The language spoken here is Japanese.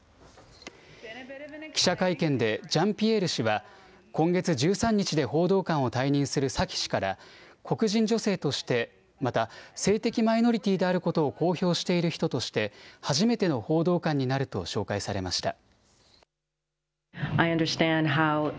記者会見でジャンピエール氏は今月１３日で報道官を退任するサキ氏から黒人女性として、また性的マイノリティーであることを公表している人として初めての報道官になると紹介されました。